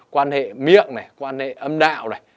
quan hệ miệng này quan hệ âm đạo này